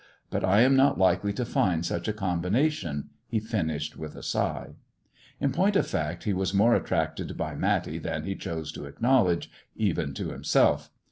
But I am not likely to find such a combination/' he finished, with a sigh. In point of fact, he was more attracted by Matty than he chose to acknowledge, even to himself.